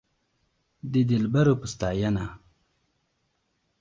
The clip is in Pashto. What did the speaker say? د دلبرو په ستاينه